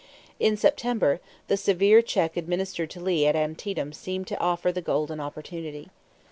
In September, the severe check administered to Lee at Antietam seemed to offer the golden opportunity.